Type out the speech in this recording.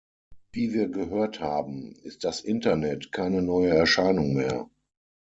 Wie wir gehört haben, ist das Internet keine neue Erscheinung mehr.